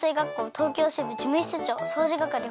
東京支部事務室長掃除係